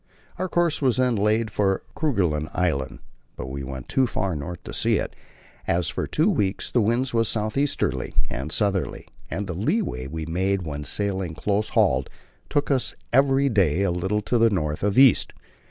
Our course was then laid for Kerguelen Island, but we went too far north to see it, as for two weeks the wind was south easterly and southerly, and the leeway we made when sailing close hauled took us every day a little to the north of east.